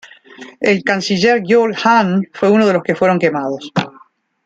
El canciller Georg Hahn fue uno de los que fueron quemados.